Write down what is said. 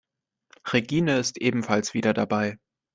Regine ist ebenfalls wieder dabei.